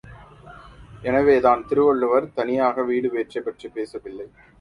எனவேதான் திருவள்ளுவர் தனியாக வீடுபேற்றைப் பற்றிப் பேசவில்லை.